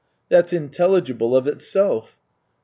That's intelligible of itself."